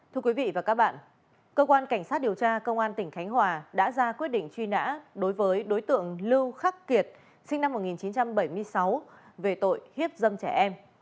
thưa quý vị và các bạn cơ quan cảnh sát điều tra công an tỉnh khánh hòa đã ra quyết định truy nã đối với đối tượng lưu khắc kiệt sinh năm một nghìn chín trăm bảy mươi sáu về tội hiếp dâm trẻ em